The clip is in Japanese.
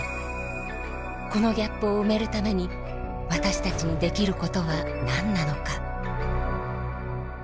このギャップを埋めるために私たちにできることは何なのか？